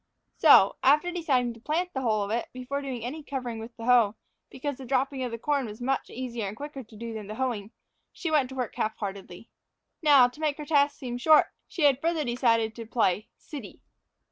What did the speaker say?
So, after deciding to plant the whole of it before doing any covering with the hoe, because the dropping of the corn was much easier and quicker to do than the hoeing, she went to work half heartedly. Now, to make her task seem short, she had further determined to play "city."